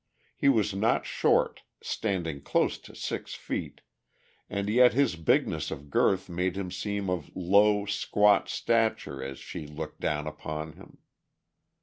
He was not short, standing close to six feet, and yet his bigness of girth made him seem of low, squat stature as she looked down upon him.